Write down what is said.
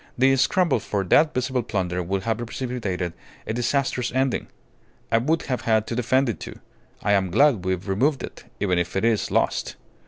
The scramble for that visible plunder would have precipitated a disastrous ending. I would have had to defend it, too. I am glad we've removed it even if it is lost.